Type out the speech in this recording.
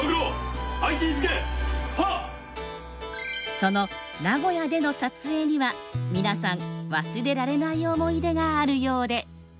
その名古屋での撮影には皆さん忘れられない思い出があるようで。